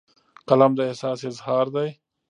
قلم د احساس اظهار دی